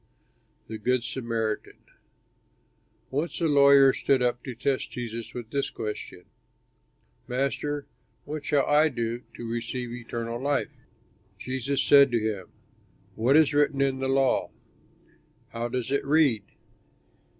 '" THE GOOD SAMARITAN Once a lawyer stood up to test Jesus with this question, "Master, what shall I do to receive eternal life?" Jesus said to him, "What is written in the law? How does it read?"